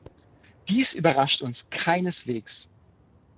Dies überrascht uns keineswegs.